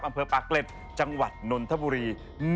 อำเภอปากเกร็ดจังหวัดนนทบุรี